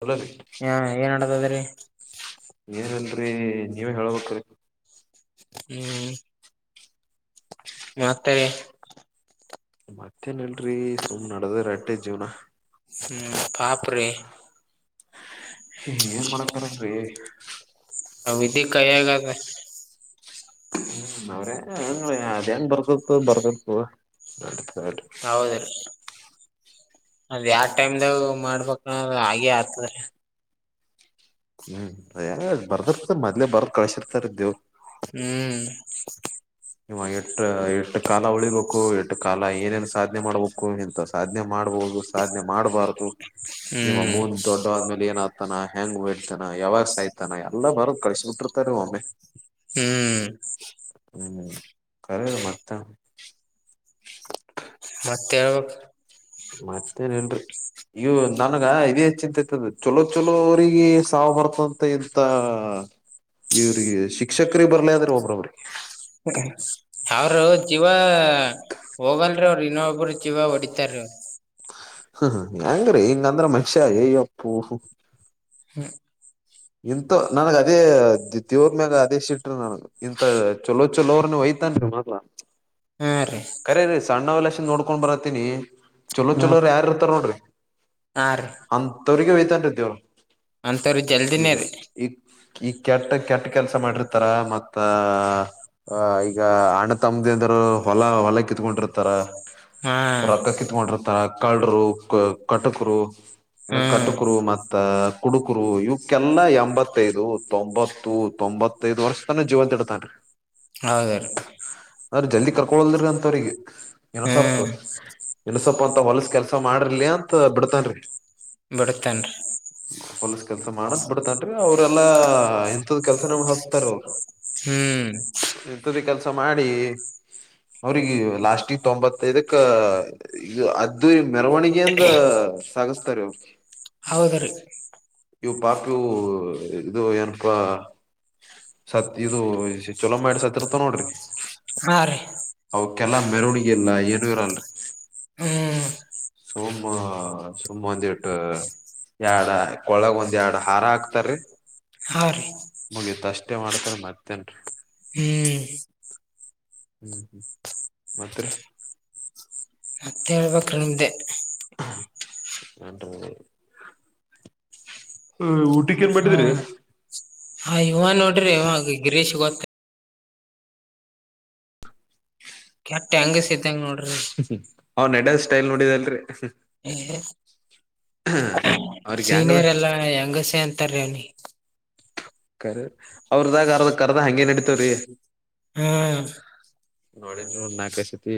ಹಲ ಹಾ ಏನ್ ನಡದದ್ರಿ ನೀ ನೀವೇ ಹೇಳಳ್ಬೇಕ ರ ಹ್ಮ್ ಮತ್ತೆ ಮತ್ತೇನಲ್ರಿ ನದು ರೆಟೆ ಜೀವನಾ ಹ್ಮ್ ಪಾಪ್ರೆ ಏನ್ ಮಾಡತಾರನ್ರಿ ವಿಧಿ ಕೈಯಾಗದ ಅವ್ರೇಂಗ ಅದೇನ್ ಬರ್ದತ್ತು ಬರ್ದತ್ತು ಹ [inaudible] ಹೌ [unintelligible] ಹೌದ್ರಿ ಅದ್ ಯಾವ ಟೈಮ್ದಾಗ ಮಾಡ್ಬೇಕ ಹಾಗೆ ಆಗ್ತದ್ರ ಹ್ಮ್ ಬರ್ದರ್ತ ಮದ್ಲ ಬರ್ತ ಕಸಿರ್ತರ್ದವು ಹ್ಮ್ ನಿವ ಎಟ್ಟ ಎಟ್ಟ ಕಾಲ ಉಳಿಬೇಕು ಎಟ್ಟು ಕಾಲ ಏನೇನ್ ಸಾಧನೆ ಮಾಡ್ಬೇಕು ಇಂತ ಸಾಧನೆ ಮಾಡ್ಬೋುದು ಸಾಧನೆ ಮಾಡ್ಬಾರ್ದು ನಿವ ಹ್ಮ್ ಮುಂದ ದೊಡ್ಡವಾದ್ಮೇಲೆ ಏನ ಆ್ತಾನ ಹೆಂಗ್ ಯಾವಾಗ ಆಯ್ತಾನ ಎಲ್ಲ ಬರ ಕಳಸಬಿಟ್ಟಿರ್ತಾರೆ ಒಮ್ಮೆ ಹ್ಮ್ ಹ್ಮ ಹ್ಮ್ ಕಲ್ಲ ಮತ್ತತ್ತ ಮತ್ತೆ ಹೇಳ್ಬೇಕ ಮತ್ತೇನ್ ಹೇಳರಿ ಇವು ನನಗ ಇದೇ ಚಿಂತ ಇತದ ಚಲೋ ಚಲೋ ಅವರಿಗೆ ನಾವ್ ಬರ್ತಂತ ಇಂತ ಇವ್ರಿಗೆ ಶಿಕ್ಷಕರಿಗೆ ಬರ್ಲಿ ಆದ್ರೆ ಒಬ್ರ್ರಿಗೆ ಹೋಗಲ್ರಿೀ ಅವ್ರರು ಇನ್ನೊಬ್ರು ಜೀವ ಹೊಡಿತಾರೀ ಅವರು ಹ್ಮ ಹೆಂಗ್ರೀ ಹಿಂಗಂದ್ರೆ ಮನುಷ್ಯ ಏಯ ಅಪ್ಪು ಹ್ಮ ಇಂತ ನನ್ಗ ಅದೇ ದೇವ್ರ ಮ್ಯಾಗ ಅದೇ ಸಿಟ್ರಿ ನನ್ಗ್ ಇಂತ ಚಲೋ ಚಲೋ ಅವ್ರನೆ ಒಯ್ತನ್ೀ ಹ ಹಾ ರೀ ಕರಿ ರೀ ಸಣ್ಣವಲ್ಲಷ್ಟ ನೋಡ್ ಕಕೊಂಡ್ ಬರತ್ತೀನಿ ಚಲೋ ಚಲೋರ ಯಾರ ಇರ್ಾರ ನೋಡ್ರಿ ಹಾ ಅಂತವ್ರಿಗೆ ಹಯ್ತಂ್ದವರು ನಂತರ ಜಲ್ ಈಗ ಈ ಈ ಕೆಟ್ಟ ಕೆಟ್ಟ ಕೆಲಸ ಮಾಡಿ ತಾರ ಮತ್ತ ಆ ಈಗ ಅಣ್ಣ ತಮ್ಮದಿ ಅಂದರು ಹೊಲ ಹೊಲ ಕಿತ್ಕೊಂಡಿರ್ತಾರ ಹಾ ರೊಕ್ಕ ಕಿತ್ಕೊಂಡಿರ್ತಾರ ಕಳ್ಳರು ಕಟಕರುಂದ ಹ್ಮ್ ಕಟಕರು ಮತ್ತ ಕುಡುಕರು ಇವ ಕ್ಕೆಲ್ಲ ಎಂಬತ್ತೈದು ತೊಂಬತ್ತು ತೊಂಬತ್ತು ಐದ್ ವರ್ಷ ತಾನ ಜೀವಂತ ಇಡ್ತನ್ೀ ಹೌದ್ರೀ ಅ್ರ ಜಲ್ದಿ ಕರ್ಕೊಲ್ದ್ರಿ ಅಂತವ್ರಿಗೆ ಏನಸಪ್ ಹ್ಮ್ ಏನಸಪ್ಪ ಅಂತ ಹೊಲಸ ಕೆಲ್ಸ ಮಾಡರ್ಲಿ ಅಂತ ಬಿಡ್ತನ್ರಿ ಬಿಡ್ತೇನ್ರಿ ಹೊಲಸ ಕೆಲ್ಸ ಮಾಡಸ್ ಬಿಡತನ್ೀ ಅವ್ರಲ್ಲ ಎಂತದ ಕೆಲ್ಸ ನಮ ಹ ಹ್ಮ್ ಸ ಮಾಡಿ ಅವ್ರಿಗೆ ಲಾಸ್ಟ್ ತೊಂಬತ್ತೈದಕ್ಕ ಅದ್ದ ಮೆರವಣಿಗೆಯಂದ ಸಾಗಸ್ತಾರೆ ಅವ್ರಿಗೆ ಹೌದ್ರಿ ಇವು್ ಪಾಕ್ ಇವು ಇದು ಏನಪಾ ಸತ್ ಇದು ಚೊಲೋ ಮಾಡಿ ಸತ್ತಿರ್ತ ನೋಡ್ರಿ ಹಾ ರೀ ಅವಕ್ಕೆಲ್ಲ ಮೆರವಣಿಗೆ ಇಲ್ಲ ಏನು ಇರಲ್ರಿ ಹ್ಮ್ ಸುಮು ಸುಮ್ಮ ಒಂದ ಇಟ್ಟು ಎಡ ಒಳಗ ಒಂದ್ ಎರಡು ಹಾರ ಹಾಕ್ತಾರೀ ಹಾ ರೀ ಮುಗಿಯತ್ ಅಷ್ಟೇ ಮಾಡ್ತಾರ ಮತ್ತೇನ್ ಹ್ಮ್ ಹ್ಮ್ ಹ್ಮ್ ಮಾತ್ರ ಹ ಮತ್ತೆ ಹೇಳ್ಬೇಕು ನಿಮ್ದೆ ನ ಹ ಊಟಿಕ ಏನ್ ಮಾಡಿದಿರಿ ಹ ಹವ ನೋಡ್ರಿ ಇವಾಗ ಗಿರೀಶ್ ಗೊತ್ತ ಕೆಕ್ಟ್ ಹೆಂಗಸ ಇದ್ದಂಗ ನೋಡ್ರಿ ಅವ್ ನಡ್ಯದ್ ಸ್ಟೈಲ್ ನೋಡಿದಲ್ರಿ ಅವ್ರಿಗೆ ಹೆಂಗದ ಸೀನಿಯರ್ ಎಲ್ಲಾ ಹೆಂಗಸ ಅಂತಾರೀ ಅಿ ಕರಿ ಅವ್ರದಾಗ ಅರ್ದ ಕರ್ದ ಹಂಗಗೆ ನಡತವ್ರಿ ಹ್ಮ ನೋಡನ್ ಒ ನಾಕೈ ಸತಿ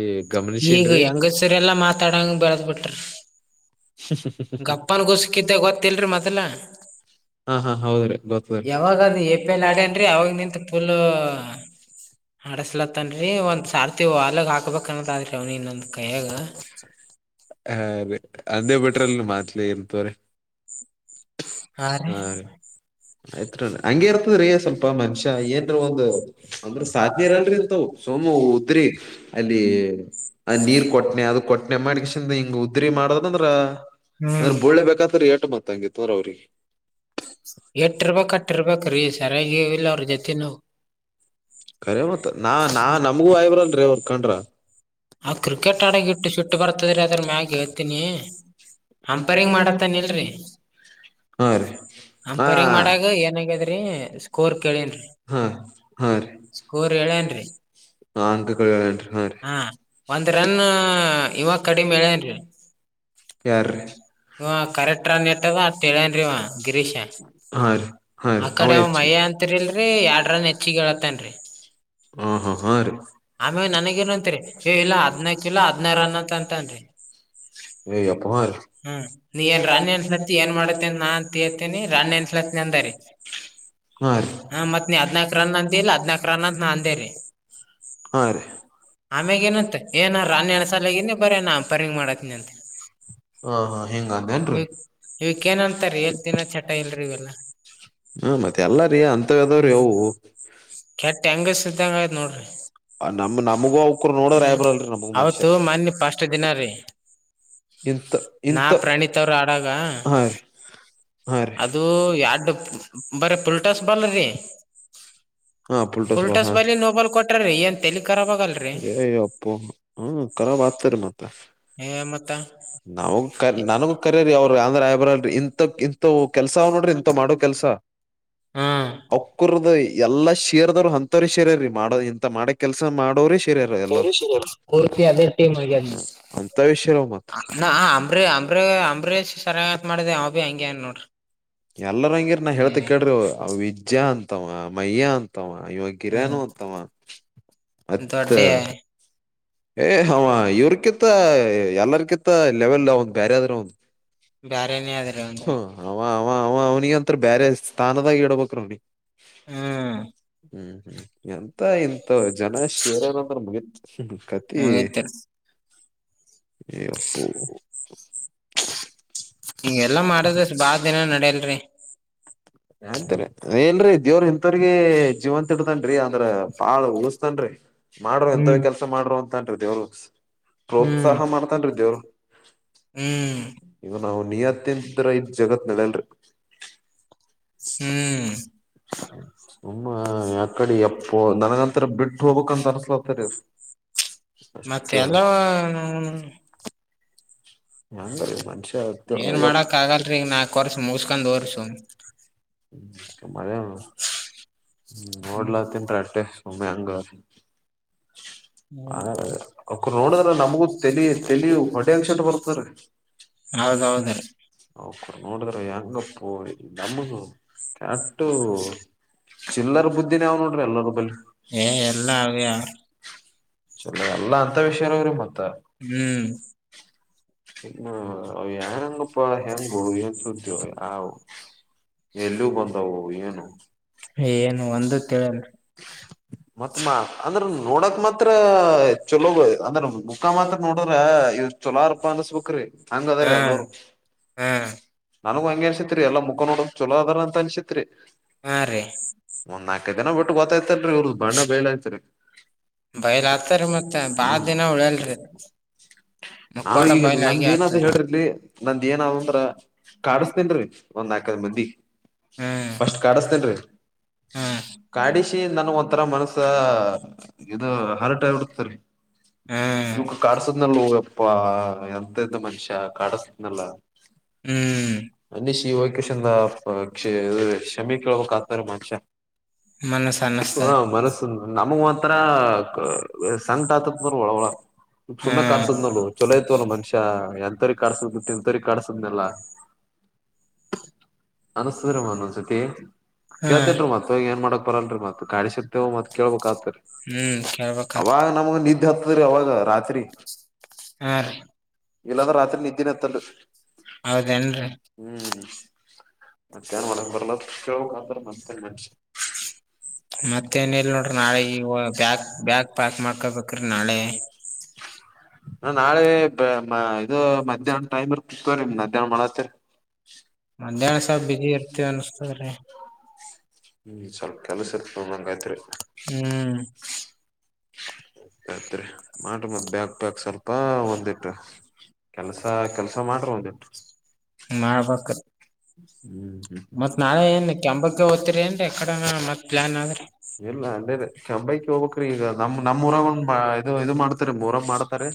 ಈಗ ಗಮನಸನ್ೀ ಹೆಂಗಸರೆಲ್ಲಾ ಮಾತಾಡಂಗ ಬೆಳದ್ ಬಿಟ್ರಿ ಗಪ್ಪನ್ ಗುಸಕಿದ್ದೆ ಗೊತ್ತಿಲ್ರಿ ಮೊದಲ ಹಾ ಹಾ ಹೌದ್ರಿ ಗೊತ್ತದಲ್ರಿ ಯಾವಾಗ ಅದು ಎ ಪಿ ಎಲ್ ಆಡೇನ್ರಿ ಅವಾಗ ನಿಂತ ಫುಲ್ ಆಡಸ್ಲತ್ತನ್ರರಿ ಒಂದ್ ಸಾರ್ತಿ ವಲ್ಾಗ ಹಾಕ್ಬೇಕನ್ನ ಶೌನಿನಂದ್ ಕಾಗ ಹ ಅಂದೇ ಬಿಟ್ರಲ್ಲಿ ಮಾತ್ಲೇ ಇರ್ತವ್ರ ಹಾ ರೀ ಆಯ್ತ್ರಿ ಹಂಗಗೆ ಇರ್ತದ್ರಿ ಸ್ವಲ್ಪ ಮನುಷ್ಯ ಏನ್ರೀ ಒಂದು್ ಅಂದ್ರ ಸಾಧ್ನೆ ಇರಲ್ರಿಂತ ಸೋಮು ಉದ್ರಿ ಅಲ್ಲಿ ಆ ನೀರ್ ಕೊಟ್ನೆ ಅದು ಕೊಟ್ಟನೆ ಮಾಡಿಕನ್ ಹಿಂಗ ಉದ್ರ ಮಾಡದಂದ್ರ ಅಂದ್ರೆ ಹ್ಮ್ ಬುಳ್ಳೆ ಬೇಕತ್ ಏಟು ಮತ್ಂಗಿತ್ತು ೌರಿ ಎಟ್ಟಿರ್ಬೇಕ್ ಅಟ್ಟಿರ್ಬೇಕ್ರೀ ಸರಿಯಾಗಿ ಇಲ್ಲ ಅವ್ರ ಜೊತೆ ನಾವು ಕಖರೆ ಮತ್ತ ನಾ ನಾ ನಮಗೂ ಆಯವ್ರಲ್ರಿ ಅವರ್ ಕಂಡ್ರ ಆ ಕ್ರಿಕೆಟ್ ಆಡಗಿಟ್ಟು ಸಿಟ್ಟು ಬರ್ತದ್ರಿ ಅದ್ರ ಮ್ಯಾಗ ಹೇಳ್ತೀನಿ ಅಂಪೈರಿಂಗ್ ಮಾಡತ್ತಾನ ಇಲ್ರಿ ಹಾ ರೀ ಅಂಪೈರಿಂಗ್ ಮಾಡಾಗ ಏನಾಗ್ಯದ್ರಿ ಸ್ಕೋರ್ ಕೇಳೇನ್ರಿ ಹ ಹಾ ಹಾ ರೀ ಸ್ಕೋರ್ ಹೇಳೇನ್ರಿ ಹ ಅಕ ಕಳನ್ರಿ ಹಾ ರೀ ಒಂದ್ ರನ್ ಇವ ಯಾರ ರೀ ಕಡಿಮೆ ಹೇಳೇನ್ರಿ ಇವ ಕರೆಕ್ಟ್ ರನ್ ಇಟ್ಟದ ಅಟ್ ಹೇಳೇನ್ರಿ ಇವ ಗಿರೀಶ ಹಾ ರೀ ಹಾ ರ ಆ ಅವ ಕಡೆ ಮಯ್ಯ ಅಂತಿರಿಲ್ರಿ ಎರಡ್ ರನ್ ಹೆಚ್ಚಿಗೆ ಹೇಳತ್ತನ್ರಿ ಹಾ ಹಾ ಹಾ ರೀ ಆಮೇಲೆ ನನಗೇನಂತ್ರಿ ಏ ಇಲ್ಲ ಹ ಹದ್ನಾಕ್ ಇಲ್ಲ ಹದ್ನಾರು ರನ್ ಅಂತ ಅಂತನ್ರಿ ಹ್ಮ್ ನೀ ಏನ್ ರನ್ ಎನ್ಸ್ಲತ್ತಿ ಏನ್ ಮಾಡತ್ತೆ ಅಂತ ನಾ ಅಂತ ಹೇಳ್ತೀನಿ ರನ್ ಎನ್ಸ್ಲತ್ನಿ ಅಂದರಿ ಹಾ ಮತ್ ನೀ ಹದ್ನಾಕ್ ರನ್ ಅಂದಿಲ್ಲ ಹದ್ನಾಕ್ ರನ್ ಅಂತ ನಾ ಅಂದೇರಿ ಹಾ ಆಮ್ಯಾಗ ಏನಂತ ಏನ ರಾಣಿ ಹೆಣಸಾಲಗನಿ ಬರ ನ ಅ ಪರಿಂಗ ಮಾಡತ್ನಿ ಅಂತೆ ಹಾ ಹಾ ಹಿಂಗ ಅಂದೇನ್ರಿ ಇವಕ್ ಏನಂತಾರೀ ಎಲ್ ದಿನ ಚಟ ಇಲ್ರಿೀ ಇವೆಲ್ಲಾ ಹ್ಮ ಮತ್ತೆ ಎಲ್ಲಾರೀ ಅಂತವ ಅದಾವ್ರೀ ಅವು ಕೆಟ್ಟ ಹೆಂಗಸಂಗ ನೋಡ್ರಿ ನಮ್ಮ ನಮಗೂ ಅವ ಹೌತ್ತು ಮನ್ನಿ ಪಸ್ ದಿನ ರೀ ಇಂತ ನಾ ಇಂತ ಪ್ರಣೀತ್ ಅವರು ಆಡಾಗ ಹಾ ರೀ ಹಾ ರೀ ಅದು ಎಡು ಬರ ಪಲ್ ಲ್ ಟಸ್ ಬಲ್ ರೀ ಹಾ ಪುಲ್ಟೋಸ್ ಫುಲ್ ಬಾಲ್ ಟಸ್ ಹಾ ಬಾಲ ನೋಬಾಲ್ ಕೊಟ್ರೀ ಎ ಕರಪಾಗಲ್ ರೀ ಏ ಅಪ್ಪು ಹ್ಮ ಕರಾಬ್ ಆಗ್ತಾರ ಮತ್ತ ಹೇಮತ್ ನಾವಗ್ ಕ ನನಗ ಕರಿ್ರರಿ ಅವ್ರ ಅಂದ್ರ ಆಯಬ್ರಲ್ರಿ ಇಂಥ ಇಂಂತ ಕೆಲ್ಸ ಅವ ನೋಡ್ರಿ ಇಂಥ ಮಾಡೋ ಕೆಲ್ಸ ಹ್ಮ್ ಅವಕ್ಕರ್ದು ಎಲ್ಲಾ ಶೇರ್ದರು ಅಂತರಿ ಶೀರ್ರೀ ಮಾಡ ಇ ಮಾಡ ಕೆಲ್ಸ ಮಾಡೋ್ರರಿ ಪರ್ಷ ಅದ ೀಗ ಅಂತವೇ ಶೇರ್ಯಾವ್ ಮತ್ ನ ಅಂಬ್ರೀ ಅಂಬ್ರೀ ಅಂಬರೀ್ ಸರಯತ್ ಮಾಡಿದೆ ಅವ ಭಿ ಹಂಗಗೆ ಏನ್ ನೋಡ್ರಿ ಎಲ್ಲರ ಹಂಗಿರ ನಾ ಹೇಳ್ತ ಕೇಳಿ ವಜಿದ್ಯ ಅಂತ ಮಯ್ಯ ಅಂತ ಅಯ ಹ್ಮ್ ಗಿರನು ತ ಅತ್ತ ದೊಡ್ಡ ಏ್ ಹ ಇವ್ರಕಿಂತ ಎಲ್ಲರ್ಕಿಂತ ಲೆವೆಲ್ ಅವ್ ಬೇರೆ ಆದ್ರೂ ಅವನ್ ಬೇರೆ ನೇ ಅ್ರ ಒಂದು ಹ ಅವ್ನಿಗೆ ಅಂತತ್ರ ಬೇರೆ ಸ್ಥಾನದಾಗ ಇಡ್ಬೇಕ್ರ ಅವ್ನಿಗೆ ಹ್ಮ್ ಹ್ಮ್ ಹ್ಮ್ ಎಂತ ಇಂತ ಜನ ಶೇರಏನಂದ್ರ ಮುಗತ್ ಹಗತ ಪ್ಪ ಹಂಗೆಲ್ಲಾ ಮಾಡದ ಬಾ ದಿನ ನಡಲ್ರಿ ಹಂತರಿಲ್ರೀ ದೇವ್ರ ಇಂಥವ್ರಗ ಜೀವಂತ ಇಡತನನ್ ಅಂದ್ರ ಬಾಳ್ ಉಳಸ್ತನ್ ಮಾಡ್ರರು ಎಂಥವ ಕೆಲ್ಸ ಮಾಡ್ರೋ ಅಂತ ದ ಅವ್ರ ಹ್ಮ್ ಪ್ರೋತ್ಸಾಹ ಮಾಡ್ತನ್್ರ ದೇವರು ಹ್ಮ್ ನಾವು ನಿಯತ್ಯಂತ್ರ ಇದ್ ಜಗತ್ ನಲಲ್ರಿ ಹ್ಮ್ ಹಮ್ಮ ಯಾಕಡೆ ಎಪ್ಪ ನನಗಂತರ ಬಿಟ್ಟ ಹೋಗ್ಕ್ ಅಂತ ಅನ್ಸ್ಲತರಿ ಮತ್ತೆ ಅಷ್ಟೇ ಎಲ್ಲೋ ಹೆಂಗ ಮನ್ಷ್ಯ ಆ ಏನ್ ಮಾಡಕ್ ಆಗಲ್ರಿ ಈಗ ನಾಕ್ ವರ್ಷ ಮುಗಸ್ಕೊಂಡ್ ಹೋರಿ ಸುಮ್ ಹ್ಮ ಹ್ಮ್ ನೋಡ್ಲತ್ತನ್ರಿ ಅಷ್ಟೇ ಹ ಮ್ಯಾಂಗ ಹ ಅವರು ನೋಡಿದ್ರ ನಮಗೂ ತಲಿ ತಲಿ ಹೊಡೆ ಅಕ್ಷ ಬರ್ ತಕ ಹೌದೌದ್ರಿ ನೋಡಿದ್ರ ಹೆಂಗಪ್ಪು ನಮ್ಮ ಕೆಟ್ಟು ಚಿಲ್ಲರ್ ಬುದ್ಧಿ ನಾವ್ ನೋಡ್ರಿ ಎಲ್ಲರ ಬ ಏ ಎಲ್ಲಾ ಅವೇ ಚ ಎಲ್ಲ ಅಂತ ವಿಷಯನ್ರ ಮತ್ತ ಹ್ಮ್ ಇ ಯನ್ಂಗಪ್ಪ ಹೆಂಗು ಏನ್ ಸತವ ಯ ಎಲ್ಲ ಬಂದವು ಏನು ಏನು ಒಂದು ತಿಳಲ್ರಿ ಮತ್ ಮಾ ಅಂದ್ರ ಗುಣಾತ್ಮಕ ತ್ರ ಚಲೋ ಅಂದ್ರೆ ಮುಖ ಮಾತ್ರ ನೋಡಿದ್ರ ಇವ್ ಚಲೋ ಅಪ್ಪ ಅನ್ನಸ್ಬುಕ್್ರಿ ಹಂಗ ಅದ್ರೀ ಹಾ ಎಲ್ಲರು ಹಾ ನನ್ಗ್ ಹಂಗಗೆ ಅನ್ಸಿತ್ರಿ ಎಲ್ಲ ಮುಖ ನೋಡಕ್ ಚಛಲೋ ಅದ ಅನ್ಸತ್ರಿ ಹಾ ರೀ ಒನ್ನ ಟ್ಟ ಗೊತ್ತಾಯತ್ತು ೀ ಇ್ರ ಬ್ಣ ಬೇೇಳ ಆಯ್ತರಿ ಬಯಲ್ ಆತರಿ ಮತ್ತ ಬಾಳ ಹ ದಿನ ಉಳಿಯಲ್ರಿ ಅವ ಮುಕ್ಕೋಟ ಈಗ ಬಯಲ್ ಆಗೆ ನಂದ ಏನಂತ ಆತರಿ ಹೇಳ್ರಿೀ ನಂದ ಏನ ಅಂದ್ರ ಕಾಡಿಸತನ್ರಿ ಒಂದ್ಾಕದ ಮಂದಿ ಹ್ಮ್ ಸ್ಟ್ ಕಾಡಸ್ತೇಲ್ೀ ಹ್ಮ್ ಕಾಡಿಸಿ ನನ್ ಒ ತರ ಮನಸ ಇದು ಹರಟ್ ಆಗಬಡ್ತರಿ ಹ್ಮ್ ಇವಾಗ ಕಡ್ಸದ್ನಲ್ ಎಂತಂತ ಮನುಷ್ಯ ಕಾಡಸತನಲ್ಲ ಹ್ಮ್ ಅನ್ನ ಶಿವ ಕೃಷನ್ದ ಕ್ಷ ಕಮಿ ಕೇೇಳಬಕ್ ಆತಾರ ಮನುಷ ಮನಸ್ ಹ ಅನ್ನಸ್ತದ ಮನಸ ನಮಗ ಮಾಂತ್ರರ ಸಂಟ್ ಆತದ ನೋ ಒಳ ಒಳ ಹಾ ಸುಮ್ಮನೆ ಕಾಡ್ಸದ್ ನೋ ಚಲ ಐತ್ವ ಮನುಷ್ಯ ಎಂತರಿ ಕಾಡ್ಸುದ ತಿ ತರಿ ಕಡಸುದ್ಲ್ಲ ಹ ಅನ್ಸ್ತದ್ರೀ ಮನ್ೊಂದ್ಸತಿ ಹಾ ಕೇಳ್ತೇನ್ ಮತ್ ಈಗ ಏನ್ ಮಾಡಾಕ್ ಬರಲ್ರರಿ ಮತ್ ಕಡಿಸತೇವ ಮತ್ ಕೇಳ್ಬಕ್ ಆತರಿ ಹ್ಮ್ ಕೇಳ್ಬೇಕತ್ ಅವಾಗ ನಮಗ ನಿದ್ದೆ ಹತ್ತದ್ರಿ ಅವಾಗ ರಾತ್ರಿ ಹಾ ರೀ ಇಲ್ಲಾಂದ್ರೆ ರಾತ್ರಿ ನಿದ್ದೆನ್ ತ ಹೌದೇನ್ರಿ ಮತ್ತೇನ್ ಮಾಡಕ್ ಬರಲ್ಲ ಕೇಳ್ಬೇಕ್ ಆತದ ಮತ್ತೇನ್ ಮನುಷ್ಯ ಮತ್ತೇನಲ್ ನೋಡ್ರಿ ನಾಳೆ ಈ ಬ್ಯಾಕ್ ಬ್ಯಾಗ್ ಪ್ಯಾಕ್ ಮಾಡ್ಕೊಬೇಕ್ರಿ ನಾಳೆ ನ ನಾಳೆ ಇದು ಮ್ಯಾಹ್ನ ಟೈಮ್ರ್ ಕುತ್ತವರಿೀ್ ಮಧ್ಯಾಹ್ನ ಮಾಡತ್ತರಿ ಮಧ್ಯಾಹ್ನ ಸಲ್ ಬಿಜಿ ಇರ್ತವ ಅನ್ಸ್ತದ್ರಿ ಹ್ಮ್ ಸ್ವಲ್ಪ ಕೆಲ್ಸ ಇರ್ತ ನಂಗಯತ್ರಿ್ಮ ಹ್ಮ್ ಅತ್ತ ಮಾಡಟ್ರಿ ಮತ್ ಬ್ಯಾಕ್ ಪ್ಯಾಕ್ ಸ್ವಲ್ಪ ಒಂದಿಟ್ಟ ಕೆಲ್ಸ ಕೆಲ್ಸ ಮಾಡ್ರ ಒಂದಿಟ್ಟ ಹ್ಮ. ಮಾಡ್ಬೇಕ ಮತ್ ನಾಳೆ ಏನ್ ಕೆಂಬಕ್ಕೆ ಹದ್ತಿರಿ ಏನ್. ಕಡ ಮತ್ ಪ್ಲಾನ್ ಆದ್ರೆ. ಚಂಬೈ ಹೋಗ. ಈಗ ನಮ್ ನಮ್ಮ್ ಊರ ಒ ಇ ಇದು ಮಾಡ್ತರಿ ಊರಾಗ ಮಾಡ್ತಾರೆ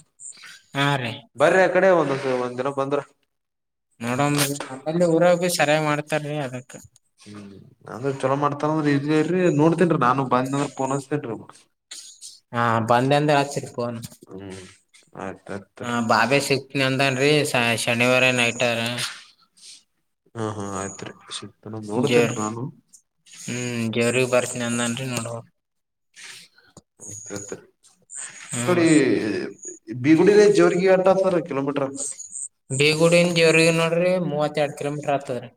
ಹಾ ರೀ ಬರ್ರ ಕಡೆ ಒಂದ. ದಿನಕ್ಕೆ ಬಂದ್ರ. ನೋಡ ನಮ್ಮಲ್ಲಿ ಊರಾಗಿ ಸರಿ್ ಮಾಡ್ತಾರ್ರಿ ಅದಕ್ಕ. ಅಂದ್ರೆ ಚಲೋ ಮಾಡ್ತಾರಂದ್ರ ಇಲ್ರಿ ನೋಡ್ತನ್ೀ ನಾನು ಬಂದಂದ್ರ ಪೋನಸ್ತೇನ್ೀ ಹಾ ಬಂದಂದ ಆತಿರಿ ಫೋನ್ ಹ್ಮ್ ಆಯ್ತತ. ಹ ಬಾಬೆ [unintelligible] ಟರ [unintelligible] ನಾನ ನೋಡ್ತೇನ್ ನಾನು. ಹ್ಮ್ ಜೋರಿಗ್ ಬರ್ತೀನಿ ಅಂದನ್ರಿ ನೋಡ್ಬ ಹ್ಮ ತತ [unintelligible] ನೋಡಿ ಹ್ಮ್ ಬೀಗುಡ ಜವರಿಗೆ ಅಂಟತರ ಕಿಲೋಮೀಟರ್ ಬೀಗುಡಿನ್ ಜೇವ್ರಗಿ ನೋಡ್ರಿ ಮೂವತ್ತ ಎರಡ್ ಕಿಲೋಮೀಟರ್ ಆಗ್ತದ್ರಿ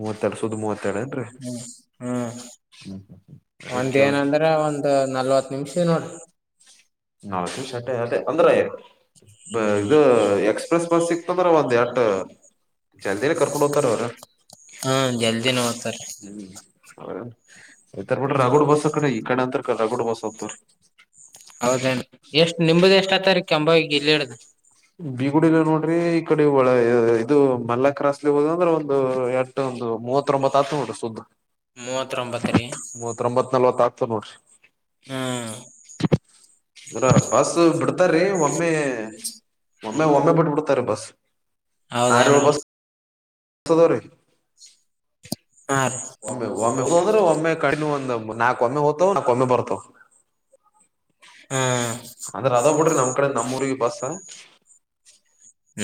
ಮೂವತ್ತೆರಡು ಸೌದ ಮೂವತ್ತೆರಡು ಏನ್ರಿ ಹ್ಮ್ ಹ ಒಂದ್ ಏನಂದ್ರ ಒಂದ್ ನಲ್ವತ್ ನಿಮಿಷ ಅ ನೋಡ್ರಿ [unintelligible] ನಾ ಟ್ಟ ಅ ಅಂದ್ರ. ಸಿಕ್ತಂದ್ರ ಒಂದ್ ಎಟ ಜಲ್ದಿನೇ ಕರ್ಕೊಂಡ್ ಹೋಗ್ತಾರ ಅವ್ರ ಹಾ ಜಲ್ದಿ ಹೋಗ್ತಾರೆ. ಹೌ. ಆ್ತ ಬಿಟ್ರೆ ರಾಗೋಡ್ ಬಸ್ ಅ ಕಡೆ ಈ ಕಡೆ ಅಂತ ಕ ರಗೋಡ್ ಬಸ್ ಹತ ಹೌದೇನ್ ಎಷ್ಟ್ ನಿಮ್ದ ಎಷ್ಟ್ ಆತಾರಿ ಕೆಂಬಾವಿಗ್ ಇಲ್ಲಿ ಹಿಡ್ದ ಬೀಗಡಲ್ಲ ನೋಡ್ರಿ ಈ ಕಡೆ. ಇದು ಮಲ್ಲ ಕ್ರಾಸ್ಲ್ಲಿ ಹೋದ ಅಂದ್ರೆ ಒಂದು ಎಟ ಒಂದು. ಮೂವತ್ತೊಂಬತ್ತು ಹತ್ತು. ಮೂವತ್ತೊಂಬತ್ತ ರೀ ಮೂವತ್ತೊಂಬತ್ ಅಲ್ವಾ. ಹ್ಮ್ [unintelligible] ಹ್ಮ ಇರ ಬಸ್ ಬಿಡ್ತಾರೀ ಒಮ್ಮೆ ಒಮ್ಮೆ ಒಮ್ಮೆ ಬಿಟ್ಟ ಬಿಡ್ತಾರ ಬಸ್ ಹೌದೇನ್ ಆರೋಳ್ ಬಸ್. ತೊದರಿ. ಹಾ ರೀ ಒಮ್ಮೆ ಒಮ್ಮೆ ಹಂದ್ರೆ ಒಮ್ಮೆ ಕಡಿಿನ ಒಂದ ನಾಕ್. ಕಮೆ ಹೊತ ನ ಕಮೆ ಬರ್ತ. ಹಾ ನಮ್ ಕಡೆ ನಮ್ಮೂರಿಗೆ ಬಸ್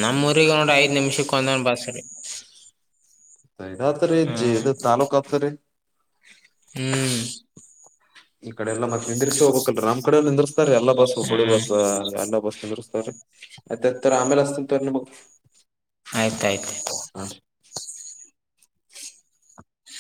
ನಮ್ಮ ೂರಿಗ ನೋಡಿ ಐದ್ ನಿಮಿಷಕ್ಕೆ ಒಂದ ಬಸ್್ರಿ. ಇತ್ರಿೀ ಜದು ತಾಲ್ಲೂಕ ಆಗ್ತರಿೀ. ಹ್ಮ್. ಈ ಕಡೆ ಎಲ್ಲಾ ಮತ್ ನಿಂದಿರ್ಸಿ ಹೋಗ್ಬೇಕಲರೀ ನಮ್ ಕಡೆ ನಿಂದಿರ್ಸ್ತಾರಿ ಎಲ್ಲಾ ಬಸ್ ಹುಬ್ಬಳಿ ಹ್ಮ್ ಬಸ್, ಎಲ್ಲಾ ಬಸ್ ನಿಂದ್ರಿಸ್ತಾರಿ, ಮತ್ತತ ಆಮೇಲೆ ಹಚ್ಚತನ ತೊಗೋರಿ. ಆಯ್ತಾಯ್ತು